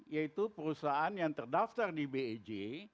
yaitu perusahaan yang terdaftar di bej